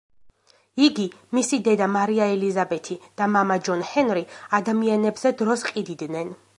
იგი, მისი დედა მარია ელიზაბეთი და მამა ჯონ ჰენრი, ადამიანებზე დროს ყიდიდნენ.